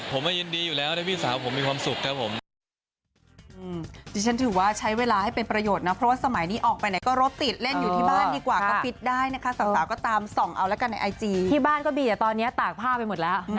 มายินดีอยู่แล้วที่พี่สาวผมมีความสุขครับผม